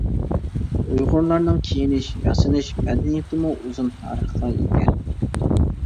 ئۇيغۇرلارنىڭ كىيىنىش، ياسىنىش مەدەنىيىتىمۇ ئۇزۇن تارىخقا ئىگە.